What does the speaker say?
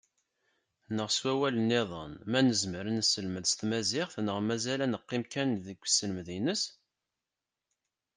Neɣ s wawal-nniḍen, ma nezmer ad neselmed s tmaziɣt neɣ mazal ad neqqim kan deg uselmed-ines?